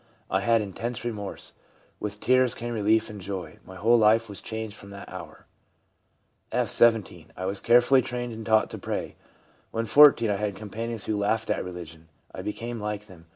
I had intense remorse. With tears came relief and joy ; my whole life was changed from that hour/ F., 17. C (I was carefully trained and taught to pray.) When 14 I had companions who laughed at religion ; I became like them.